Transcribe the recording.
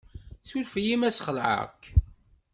Suref-iyi ma ssxelεeɣ-k.